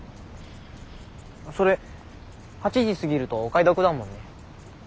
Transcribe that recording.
それ８時過ぎるとお買い得だもんね。